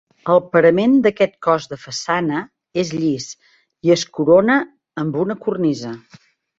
El parament d'aquest cos de façana és llis i es corona amb una cornisa.